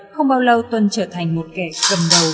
không bao lâu tuân trở thành một kẻ cầm đầu